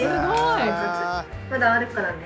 豚カツまだあるからね。